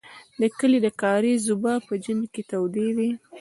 د کلي د کاریز اوبه په ژمي کې تودې وې.